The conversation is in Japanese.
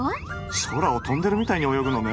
空を飛んでるみたいに泳ぐのね。